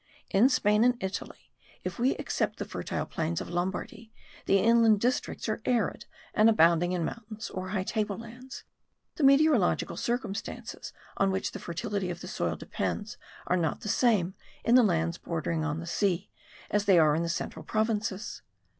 In Spain and Italy, if we except the fertile plains of Lombardy, the inland districts are arid and abounding in mountains or high table lands: the meteorological circumstances on which the fertility of the soil depends are not the same in the lands bordering on the sea, as they are in the central provinces.